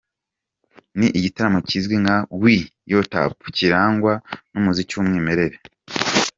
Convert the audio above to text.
Ni igitaramo cyizwi nka ‘Weyotap’ cyirangwa n'umuziki w’umwimerere.